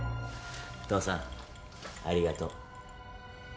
父さんありがとう。